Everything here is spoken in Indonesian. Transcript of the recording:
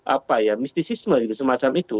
apa ya mistisisme gitu semacam itu